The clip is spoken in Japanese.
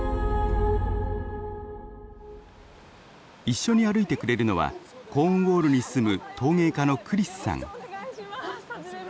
一緒に歩いてくれるのはコーンウォールに住む陶芸家のクリスさん。